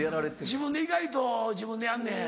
自分で意外と自分でやんねん。